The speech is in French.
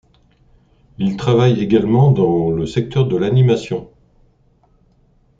Il travaille également dans le secteur de l'animation.